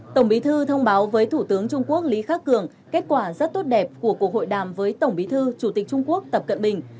tổng bí thư thông báo với thủ tướng trung quốc lý khắc cường kết quả rất tốt đẹp của cuộc hội đàm với tổng bí thư chủ tịch trung quốc tập cận bình